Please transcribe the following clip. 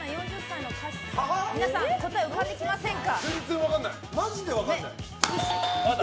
皆さん答えが浮かんできませんか？